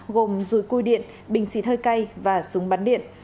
gồm rùi cui điện bình xịt hơi cay và súng bắn điện